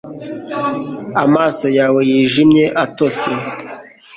Amaso yawe yijimye atose